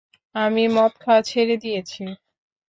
আমি মদ খাওয়া ছেড়ে দিয়েছি।